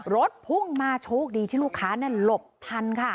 รถพุ่งมาโชคดีที่ลูกค้าหลบทันค่ะ